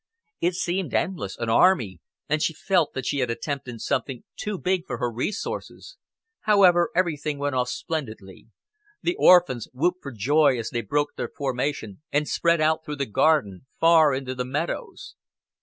It seemed endless, an army, and she felt that she had attempted something too big for her resources. However, everything went off splendidly. The orphans whooped for joy as they broke their formation and spread out, through the garden, far into the meadows.